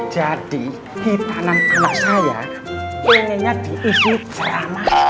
jadi hitanan anak saya inginnya diisi seramah